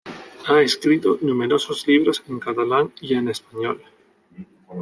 Ha escrito numerosos libros en catalán y en español.